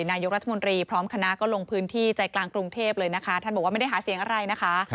นายกรัฐมนตรีพร้อมคณะก็ลงพื้นที่ใจกลางกรุงเทพเลยนะคะท่านบอกว่าไม่ได้หาเสียงอะไรนะคะ